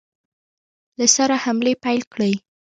له سره حملې پیل کړې.